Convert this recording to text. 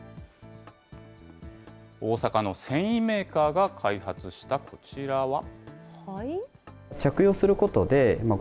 大阪の繊維メーカーが開発したこちらは。